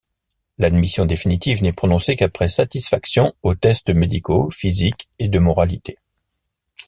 L’admission définitive n’est prononcée qu’après satisfaction aux tests médicaux, physiques et de moralité.